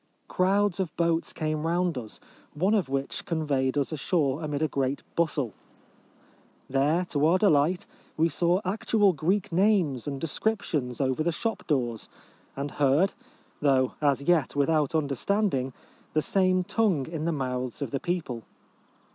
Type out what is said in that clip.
Crowds of boats came round us, one of which conveyed us ashore amid a great bustle. There, to our delight, we saw actual Greek names and descriptions over the shop doors, and heard — though as yet without understanding — the same tongue in the mouths of the people.